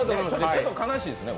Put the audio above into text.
ちょっと悲しいですね。